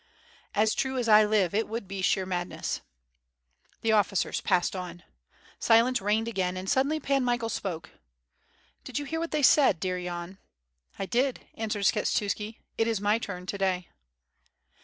"As true as I live it would be sheer madness." The officers passed on. Silence reigned again, then sud denly Pan Michael spoke. "Did you hear what they said, dear Yan?" "I did," answered Skshetuski, "it is my turn to day."